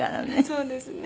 そうですね。